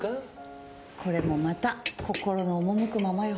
これもまた心の赴くままよ。